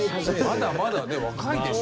まだまだね若いでしょ。